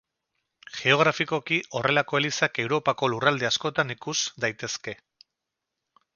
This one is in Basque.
Geografikoki, horrelako elizak Europako lurralde askotan ikus daitezke.